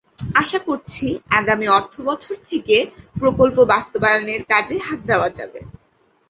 আশা করছি, আগামী অর্থবছর থেকে প্রকল্প বাস্তবায়নের কাজে হাত দেওয়া যাবে।